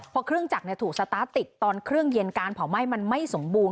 พอเครื่องจักรถูกสตาร์ทติดตอนเครื่องเย็นการเผาไหม้มันไม่สมบูรณ